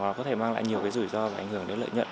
và có thể mang lại nhiều cái rủi ro và ảnh hưởng đến lợi nhuận